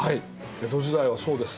江戸時代はそうです。